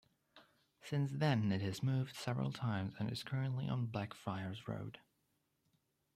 Since then it has moved several times and is currently on Blackfriars Road.